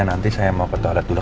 nanti saya mau ke toilet dulu